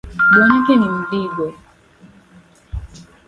Bwanake ni mdigo